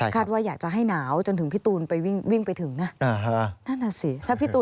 คาดว่าอยากจะให้หนาวจนถึงพี่ตูนวิ่งไปถึงนะนั่นแหละสิ